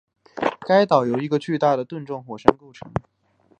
该岛由一个巨大的盾状火山构成